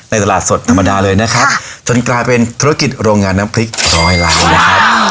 ตลาดสดธรรมดาเลยนะครับจนกลายเป็นธุรกิจโรงงานน้ำพริกร้อยล้านนะครับ